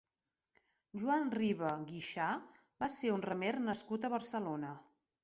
Joan Riba Guixà va ser un remer nascut a Barcelona.